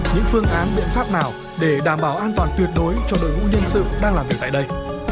những phương án biện pháp nào để đảm bảo an toàn tuyệt đối cho đội ngũ nhân sự đang làm việc tại đây